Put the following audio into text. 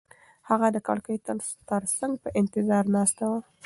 هغه د کړکۍ تر څنګ په انتظار ناسته وه.